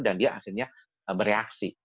dan dia akhirnya bereaksi